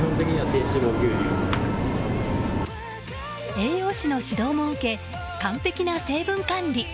栄養士の指導も受け完璧な成分管理。